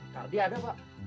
kardi ada pak